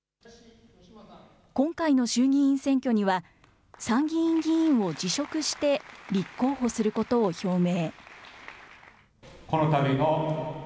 今回の衆議院選挙には、参議院議員を辞職して立候補することを表明。